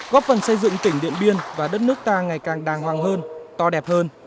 góp phần xây dựng tỉnh điện biên và đất nước ta ngày càng đàng hoàng hơn to đẹp hơn